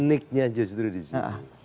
uniknya justru disitu